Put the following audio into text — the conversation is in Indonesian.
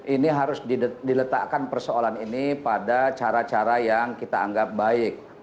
ini harus diletakkan persoalan ini pada cara cara yang kita anggap baik